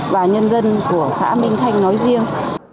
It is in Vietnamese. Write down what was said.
và nhân dân của xã minh thanh nói riêng